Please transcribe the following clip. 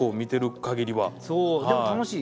でも楽しい。